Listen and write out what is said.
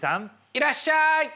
いらっしゃい！